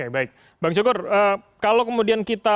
baik bang syukur kalau kemudian kita